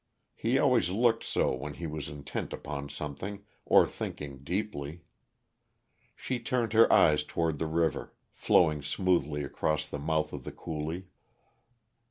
He always looked so when he was intent upon something, or thinking deeply. She turned her eyes toward the river, flowing smoothly across the mouth of the coulee.